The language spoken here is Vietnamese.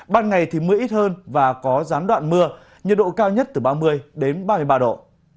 ban ngày thì mưa ít hơn và có gián đoạn mưa nhiệt độ cao nhất từ ba mươi đến ba mươi ba độ